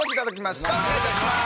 お願いいたします。